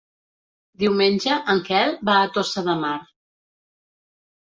Diumenge en Quel va a Tossa de Mar.